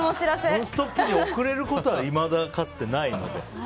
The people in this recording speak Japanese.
「ノンストップ！」に遅れたことはいまだかつてないので。